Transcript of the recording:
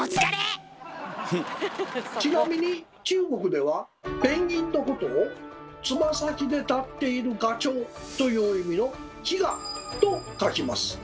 ちなみに中国ではペンギンのことを「つま先で立っているガチョウ」という意味の「企鵝」と書きます。